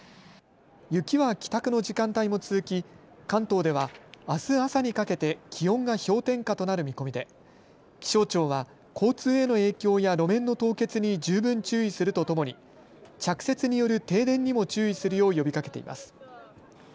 雪は帰宅の時間帯も続き関東では、あす朝にかけて気温が氷点下となる見込みで気象庁は交通への影響や路面の凍結に十分注意するとともに着雪による停電にも注意するよう呼びかけています。